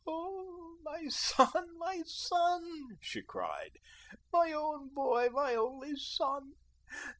"Oh, my son, my son," she cried, "my own boy, my only son!